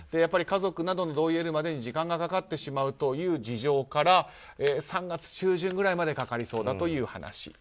家族などの同意を得るまでに時間がかかってしまうという事情から、３月中旬ぐらいまでかかりそうだという話。